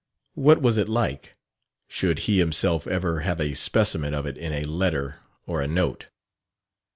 What was it like? Should he himself ever have a specimen of it in a letter or a note?